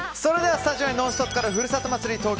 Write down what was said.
スタジオに「ノンストップ！」から「ふるさと祭り東京」